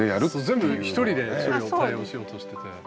全部一人でそれを対応しようとしてて。